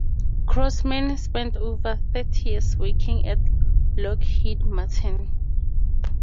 Crossman spent over thirty years working at Lockheed Martin.